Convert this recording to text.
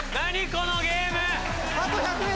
このゲーム！